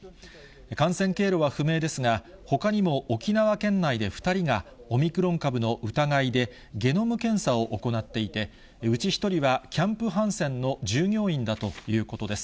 感染経路は不明ですが、ほかにも沖縄県内で２人がオミクロン株の疑いで、ゲノム検査を行っていて、うち１人はキャンプ・ハンセンの従業員だということです。